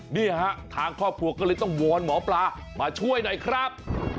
นี่ฮะทางครอบครัวก็เลยต้องวอนหมอปลามาช่วยหน่อยครับ